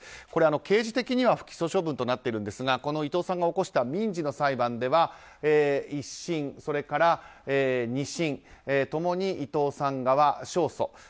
これ刑事的には不起訴処分となっていますがこの伊藤さんが起こした民事の裁判では１審、それから２審共に伊藤さん側勝訴。